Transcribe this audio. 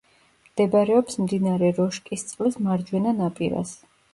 მდებარეობს მდინარე როშკისწყლის მარჯვენა ნაპირას.